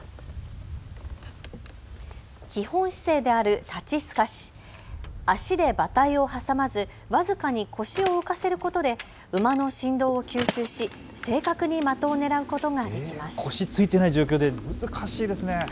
基本姿勢である立ち透かし、脚で馬体を挟まず僅かに腰を浮かせることで馬の振動を吸収し正確に的を狙うことができます。